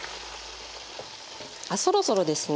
あそろそろですね。